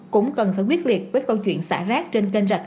cũng cần phải quyết liệt với câu chuyện xả rác trên kênh rạch